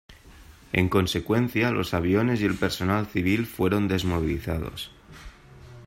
En consecuencia los aviones y el personal civil fueron desmovilizados.